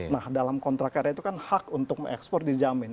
nah dalam kontrak karya itu kan hak untuk ekspor dijamin